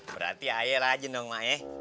berarti air aja dong mak ya